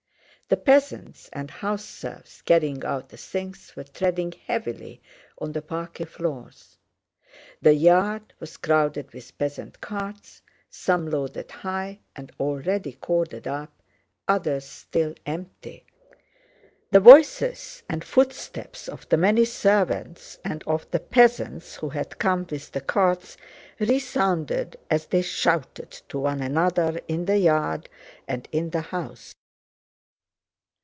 The peasants and house serfs carrying out the things were treading heavily on the parquet floors. The yard was crowded with peasant carts, some loaded high and already corded up, others still empty. The voices and footsteps of the many servants and of the peasants who had come with the carts resounded as they shouted to one another in the yard and in the house.